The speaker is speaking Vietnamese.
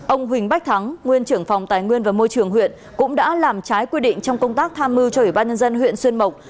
ông huỳnh bách thắng nguyên trưởng phòng tài nguyên và môi trường huyện cũng đã làm trái quy định trong công tác tham mưu cho ủy ban nhân dân huyện xuyên mộc